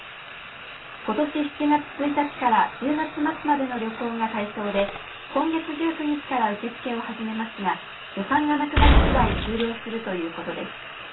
ことし７月１日から１０月末までの旅行が対象で今月１９日から受け付けを始めますが予算がなくなり次第終了するということです。